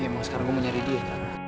emang sekarang gue mau nyari dia